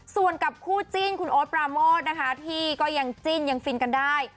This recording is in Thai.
ส่วนกับคู่จิ้นคุณโอ๊ตปราโมทนะคะที่ก็ยังจิ้นยังฟินกันได้